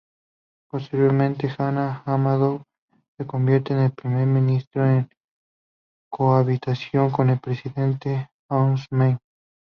Posteriormente Hama Amadou se convierte en Primer ministro, en cohabitación con el Presidente Ousmane.